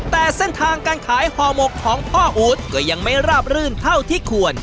แต่เส้นทางการขายห่อหมกของพ่ออู๊ดก็ยังไม่ราบรื่นเท่าที่ควร